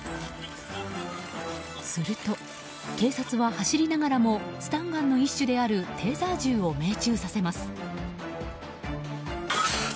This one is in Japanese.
すると、警察は走りながらもスタンガンの一種であるテーザー銃を命中させます。